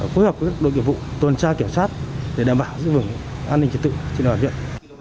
phối hợp với các đội kiểm vụ tuần tra kiểm soát để đảm bảo giữ vững an ninh trật tự trên địa bàn huyện